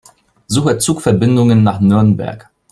Suche Zugverbindungen nach Nürnberg.